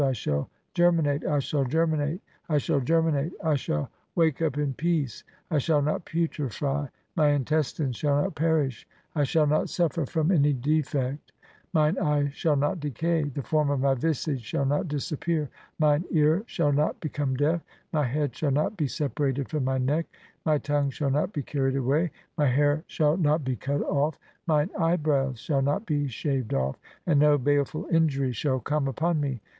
I shall "germinate, I shall germinate, I shall germinate. I shall "wake up in peace ; I shall not putrefy ; my intestines "shall not perish ; I shall not suffer from any defect ; "mine eye shall not decay ; the form of my visage "shall not disappear ; mine ear shall not become deaf; "my head shall not be separated from my neck ; my "tongue shall not be carried away ; my hair shall "not be cut off ; mine eyebrows shall not be shaved "off ; and no baleful injury shall come upon me.